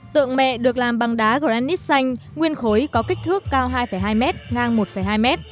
tượng mẹ được làm bằng đá granite xanh nguyên khối có kích thước cao hai hai m ngang một hai m